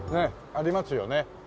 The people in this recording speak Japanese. ありますよね。